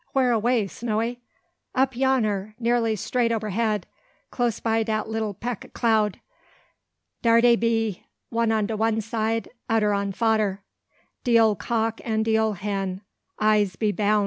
Where away, Snowy?" "Up yonner, nearly straight ober head, close by dat lilly 'peck ob cloud. Dar dey be, one on de one side, odder on fodder, de ole cock an' de ole hen, I'se be boun!"